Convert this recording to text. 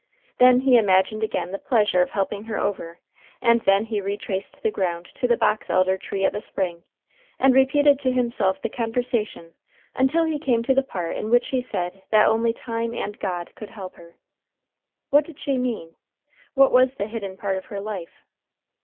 Then he imagined again the pleasure of helping her over, and then he retraced the ground to the box elder tree at the spring, and repeated to himself the conversation until he came to the part in which she said that only time and God could help her. What did she mean? What was the hidden part of her life?